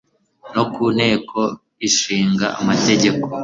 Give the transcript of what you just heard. no ku nteko ishinga amategeko